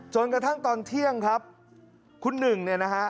จนกระทั่งตอนเที่ยงครับคุณหนึ่งเนี่ยนะฮะ